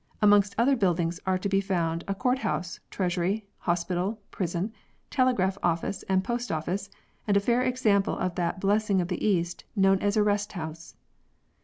Amongst other buildings are to be found a court house, treasury, hospital, prison, telegraph office and post office and a fair example of that blessing of the East, known as a rest house.